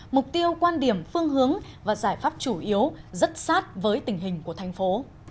mục tiêu quan điểm phương hướng và giải pháp chủ yếu rất sát với tình hình của thành phố